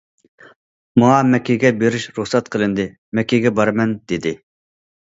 ماڭا مەككىگە بېرىش رۇخسەت قىلىندى، مەككىگە بارىمەن،- دېدى.